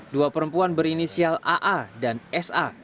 dua perempuan berinisial aa dan sa